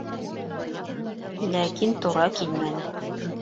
Ләкин тура килмәне.